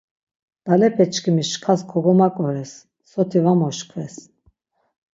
Dalepeçkimi şkas kogomaǩores soti var moşkves.